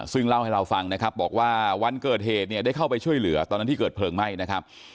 ซึ่งเล่าให้เราฟังนะครับบอกว่าวันเกิดเหตุเนี่ยได้เข้าไปช่วยเหลือตอนนั้นที่เกิดเพลิงไหม้นะครับ